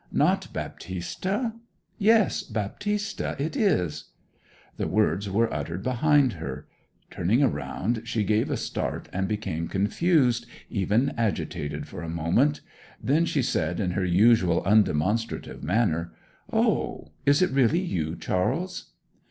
'Not Baptista? Yes, Baptista it is!' The words were uttered behind her. Turning round she gave a start, and became confused, even agitated, for a moment. Then she said in her usual undemonstrative manner, 'O is it really you, Charles?'